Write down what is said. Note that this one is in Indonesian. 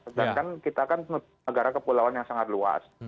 sedangkan kita kan negara kepulauan yang sangat luas